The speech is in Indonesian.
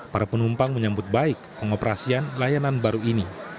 para penumpang menyambut baik pengoperasian layanan baru ini